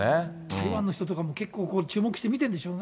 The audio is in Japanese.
今の人とかも結構注目して見てるんでしょうね。